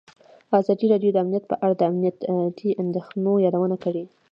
ازادي راډیو د امنیت په اړه د امنیتي اندېښنو یادونه کړې.